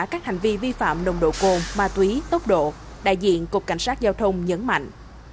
các hành vi vi phạm nồng độ cồn ma túy tốc độ đại diện cục cảnh sát giao thông nhấn mạnh